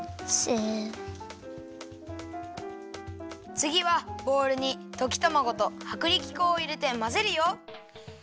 つぎはボウルにときたまごとはくりき粉をいれてまぜるよ。